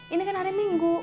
ini kan hari minggu